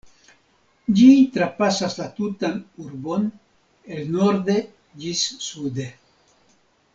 Ĝi trapasas la tutan urbon, el norde ĝis sude.